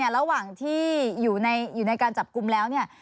ระหว่างที่อยู่ในการจับกุมแล้ว